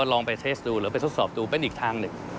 ลองไปเซสดูหรือไปทดสอบดูเป็นอีกทางหนึ่ง